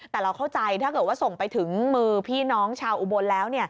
แต่เราเข้าใจถ้าเกิดว่าส่งไปถึงมือพี่น้องชาวอุบลแล้ว